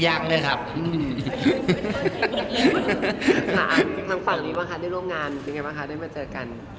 ทางฝั่งหรือยังไงคะได้มาเจอกัน